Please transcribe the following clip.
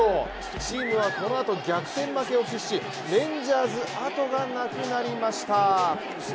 チームはこのあと逆転負けを喫しレンジャーズ、あとがなくなりました。